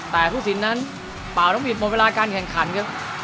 แต่ผู้สินนั้นเป่านกหิดหมดเวลาการแข่งขันครับ